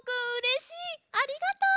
ありがとう！